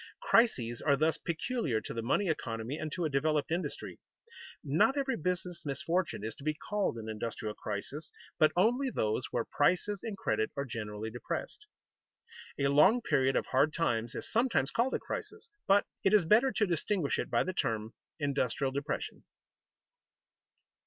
Crises are thus peculiar to the money economy and to a developed industry. Not every business misfortune is to be called an industrial crisis, but only those where prices and credit are generally depressed. A long period of hard times is sometimes called a crisis, but it is better to distinguish it by the term industrial depression.